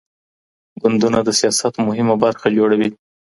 ګوندونه د سياست مهمه برخه جوړوي.